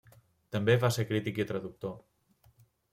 També va ser crític i traductor.